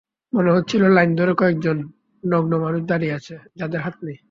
মনে হচ্ছিল লাইন ধরে কয়েকজন নগ্ন মানুষ দাঁড়িয়ে আছে যাদের হাত নেই।